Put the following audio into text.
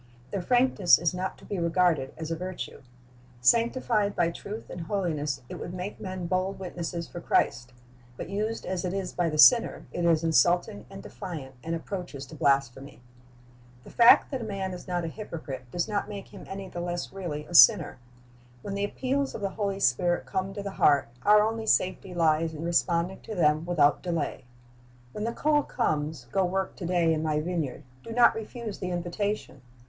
Their frankness is not to be regarded as a virtue. Sanctified by truth and holiness, it would make men bold witnesses for Christ; but used as it is by the sinner, it is insulting and defiant, and approaches to blasphemy. The fact that a man is not a hypocrite does not make him any the less really a sinner. When the appeals of the Holy Spirit come to the heart, our only safety lies in responding to them without delay. When the call comes, "Go work to day in My vineyard," do not refuse the invitation.